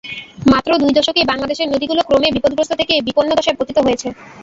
মাত্র দুই দশকেই বাংলাদেশের নদীগুলো ক্রমেই বিপদগ্রস্ত থেকে বিপন্ন দশায় পতিত হয়েছে।